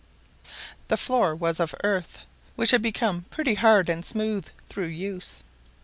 The floor was of earth, which had become pretty hard and smooth through use.